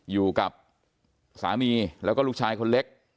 อยู่กับสามีแล้วก็ลูกชายคนเล็ก